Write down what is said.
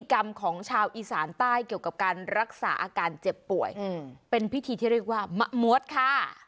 กรรมของชาวอีสานใต้เกี่ยวกับการรักษาอาการเจ็บป่วยเป็นพิธีที่เรียกว่ามะมวดค่ะ